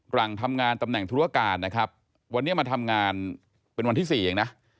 หลังทำงานตำแหน่งธุรการนะครับวันนี้มาทำงานเป็นวันที่สี่เองนะ